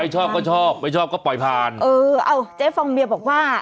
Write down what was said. ชอบก็ชอบไม่ชอบก็ปล่อยผ่านเออเอาเจ๊ฟองเบียบอกว่า